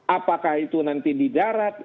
apakah itu nanti di darat